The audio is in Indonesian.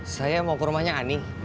saya mau ke rumahnya aneh